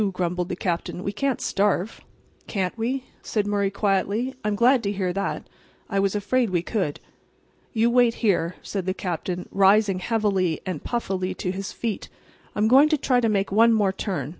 grumbled the Captain. "We can't starve." "Can't we?" said Murray quietly. "I'm glad to hear that. I was afraid we could." "You wait here," said the Captain, rising heavily and puffily to his feet. "I'm going to try to make one more turn.